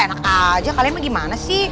enak aja kalian gimana sih